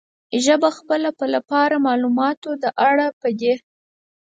ژبه خپله په لپاره، معلوماتو د اړه پدې